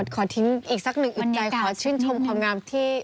ขอทิ้งอีกสักหนึ่งอึดใจขอชื่นชมความงามที่